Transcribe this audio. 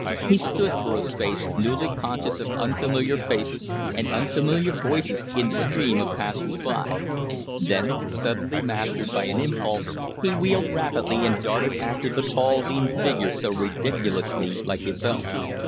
He stood for a space, newly conscious of unfamiliar faces and unfamiliar voices in the stream of passersby; then, suddenly mastered by an impulse, he wheeled rapidly and darted after the tall, lean figure so ridiculously like his own.